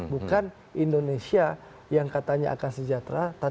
bukan indonesia yang katanya akan sejahtera